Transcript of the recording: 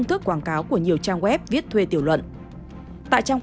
ba mươi trang mà tận hai triệu rưỡi đến ba triệu hả chị